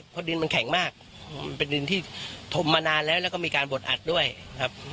เพราะดินมันแข็งมากมันเป็นดินที่ถมมานานแล้วแล้วก็มีการบดอัดด้วยครับ